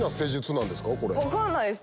分かんないです